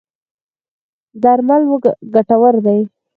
درمل ګټور دی.